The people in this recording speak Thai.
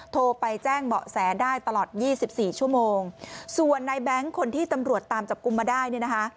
โทรไปแจ้งเบาะแสได้ตลอดยี่สิบสี่ชั่วโมงส่วนในแบงค์คนที่ตำรวจตามจับกลุ่มมาได้เนี่ยนะคะ